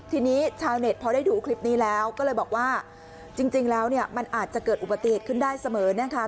ทีนี้ชาวเน็ตพอได้ดูคลิปนี้แล้วก็เลยบอกว่าจริงแล้วเนี่ยมันอาจจะเกิดอุบัติเหตุขึ้นได้เสมอนะคะ